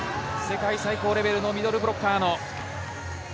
世界最高レベルのミドルブロッカーの。